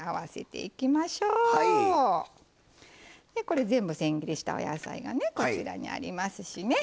これ全部せん切りしたお野菜がねこちらにありますしね。